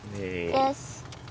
よし。